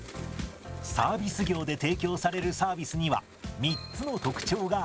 サービス業で提供されるサービスには３つの特徴があります。